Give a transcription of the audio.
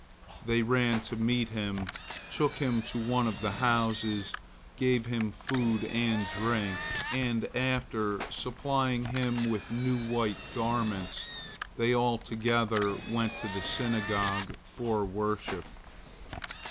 They ran to meet him, took him to one of the houses, gave him food and drink, and, after supplying him with new white garments, they all together went to the synagogue for worship.